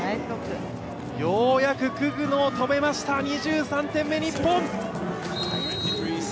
ようやくクグノを止めました、２３点目、日本。